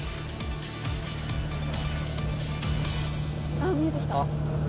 あっ見えてきた。